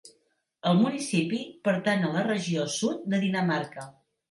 El municipi pertany a la Regió Sud de Dinamarca.